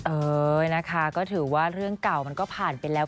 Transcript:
เออนะคะก็ถือว่าเรื่องเก่ามันก็ผ่านไปแล้ว